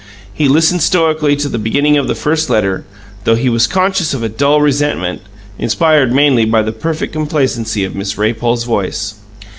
He listened stoically to the beginning of the first letter, though he was conscious of a dull resentment, inspired mainly by the perfect complacency of Miss Raypole's voice.